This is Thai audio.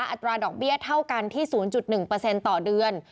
อัตราดอกเบี้ยเท่ากันที่๐๑ต่อเดือน